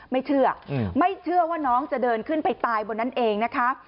ไม่เชื่อไม่เชื่อว่าน้องจะเดินขึ้นไปตายบนนั้นเองนะคะ